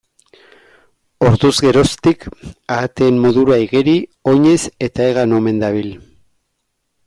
Orduz geroztik, ahateen modura igeri, oinez eta hegan omen dabil.